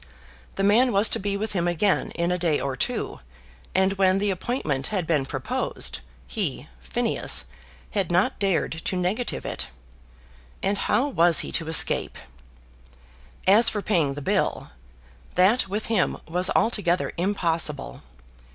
The man was to be with him again in a day or two, and when the appointment had been proposed, he, Phineas, had not dared to negative it. And how was he to escape? As for paying the bill, that with him was altogether impossible.